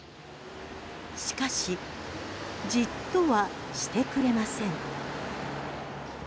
しかしじっとはしてくれません。